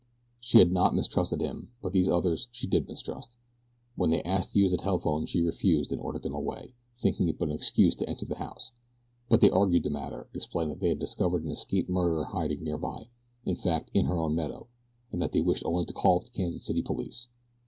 She had not mistrusted him; but these others she did mistrust. When they asked to use the telephone she refused and ordered them away, thinking it but an excuse to enter the house; but they argued the matter, explaining that they had discovered an escaped murderer hiding near by in fact in her own meadow and that they wished only to call up the Kansas City police.